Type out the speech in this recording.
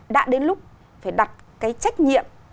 đã đến lúc phải đặt cái trách nhiệm